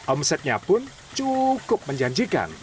omsetnya pun cukup menjanjikan